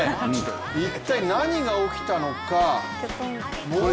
一体何が起きたのか、もう一度。